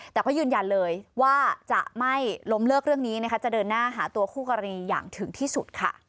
แต่ก็ยืนยันเลยว่าจะไม่ล้มเลิกเรื่องนี้นะคะจะเดินหน้าหาตัวคู่กรณีอย่างถึงที่สุดค่ะ